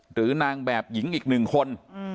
หรือนางแบบหญิงอีก๑คน